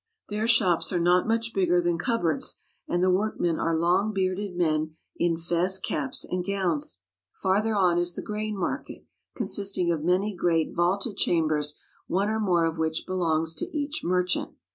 Their shops are not much bigger than cupboards, and the workmen are long bearded men in fez caps and gowns. Farther on is the grain market, consisting of many great vaulted chambers one or more of which belongs to each merchant.